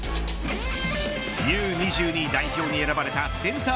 Ｕ‐２２代表に選ばれたセンター